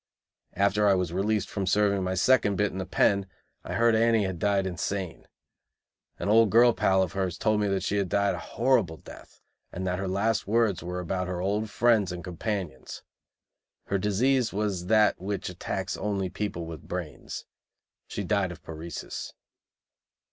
After I was released from serving my second bit in the "pen," I heard Annie had died insane. An old girl pal of hers told me that she had died a horrible death, and that her last words were about her old friends and companions. Her disease was that which attacks only people with brains. She died of paresis.